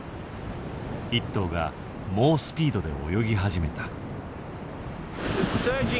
１頭が猛スピードで泳ぎ始めた。